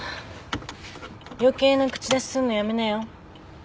余計な口出しすんのやめなよ。